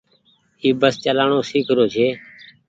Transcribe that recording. اي بس چلآڻو سيک رو ڇي۔